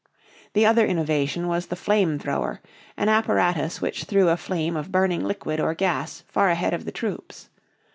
The other innovation was the "flame thrower," an apparatus which threw a flame of burning liquid or gas far ahead of the troops.